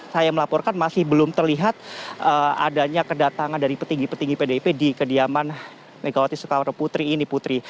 saya melaporkan masih belum terlihat adanya kedatangan dari petinggi petinggi pdip di kediaman megawati soekarno putri ini putri